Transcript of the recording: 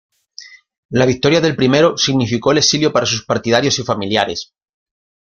La victoria del primero significo el exilio para sus partidarios y familiares.